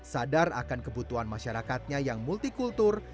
sadar akan kebutuhan masyarakatnya yang multikultur